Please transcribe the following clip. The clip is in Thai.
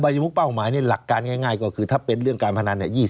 มุกเป้าหมายหลักการง่ายก็คือถ้าเป็นเรื่องการพนันเนี่ย